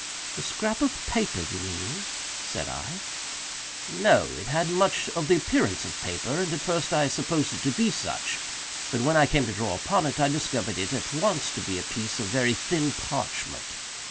"The scrap of paper, you mean," said I. "No; it had much of the appearance of paper, and at first I supposed it to be such, but when I came to draw upon it, I discovered it, at once, to be a piece of very thin parchment.